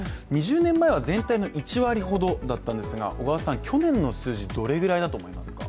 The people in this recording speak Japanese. ２０年前は全体の１割ほどだったんですが、去年の数字、どれくらいだと思いますか？